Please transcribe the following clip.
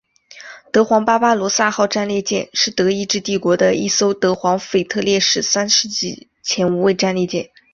德皇巴巴罗萨号战列舰是德意志帝国的一艘德皇腓特烈三世级前无畏战列舰。